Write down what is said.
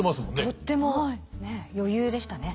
とってもねえ余裕でしたね。